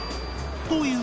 という